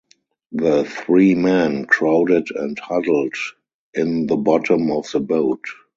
The three men crowded and huddled in the bottom of the boat.